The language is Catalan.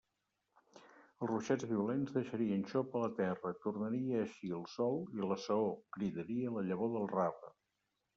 Els ruixats violents deixarien xopa la terra, tornaria a eixir el sol i la saó cridaria la llavor del rave.